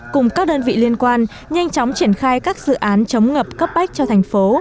cùng các đơn vị liên quan nhanh chóng triển khai các dự án chống ngập cấp bách cho thành phố